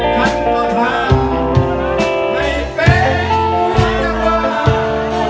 ทีที่ท่านก็พาไม่เป็นอย่างกว่า